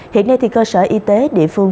hiện nay thì cơ sở y tế địa phương